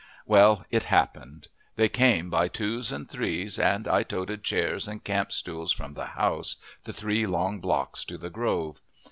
Well, it happened. They came by twos and threes, and I toted chairs and camp stools from the house the three long blocks to the grove.